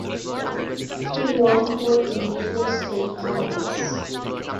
He won four individual state titles.